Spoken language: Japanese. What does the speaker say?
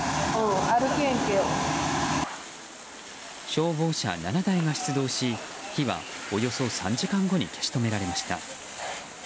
消防車７台が出動し火はおよそ３時間後に消し止められました。